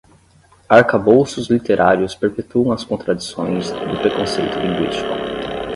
Arcabouços literários perpetuam as contradições do preconceito linguístico